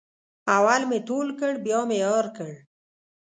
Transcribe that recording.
اول مې تول کړ بیا مې یار کړ.